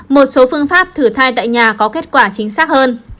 một số phương pháp thử thai tại nhà có kết quả chính xác hơn